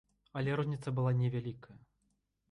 Але розніца была невялікая.